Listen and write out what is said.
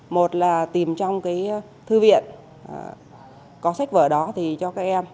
một là tìm trong cái thư viện có sách vở đó thì cho các em